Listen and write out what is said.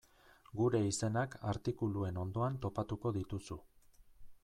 Gure izenak artikuluen ondoan topatuko dituzu.